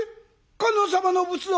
観音様の仏像。